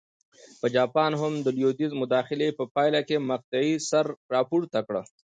په جاپان هم د لوېدیځ مداخلې په پایله کې مقطعې سر راپورته کړ.